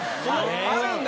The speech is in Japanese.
あるんだ？